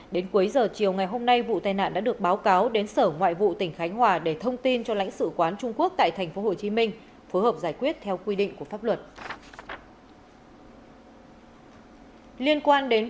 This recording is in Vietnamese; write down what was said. đến cuối giờ chiều ngày hôm nay vụ tai nạn đã được báo cáo đến sở ngoại vụ tỉnh khánh hòa để thông tin cho lãnh sự quán trung quốc tại tp hcm phối hợp giải quyết theo quy định của pháp luật